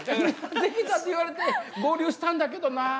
できたって言われて、合流したんだけどなぁ。